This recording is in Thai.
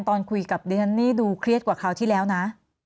ตอนคุยกับดิฉันนี่ดูเครียดกว่าคราวที่แล้วนะ